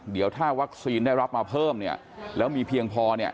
เดี๋ยวถ้าวัคซีนได้รับมาเพิ่มแล้วมีเพียงพอ